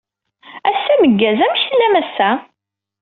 Ass ameggaz. Amek tellam ass-a?